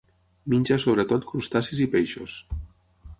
Menja sobretot crustacis i peixos.